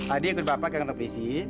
ade ikut bapak ke kantor polisi